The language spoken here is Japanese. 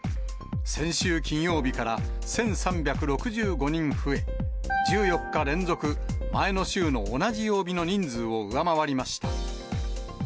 先週金曜日から１３６５人増え、１４日連続、前の週の同じ曜日の人数を上回りました。